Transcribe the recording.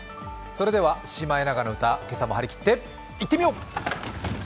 それではシマエナガの歌、今朝も張り切っていってみよう！